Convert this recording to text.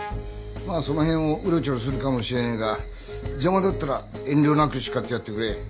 まあその辺をうろちょろするかもしれねえが邪魔だったら遠慮なく叱ってやってくれ。